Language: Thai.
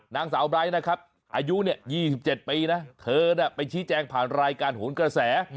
นางสาวไบร์ทนะครับอายุ๒๗ปีนะเธอไปชี้แจงผ่านรายการโหนกระแส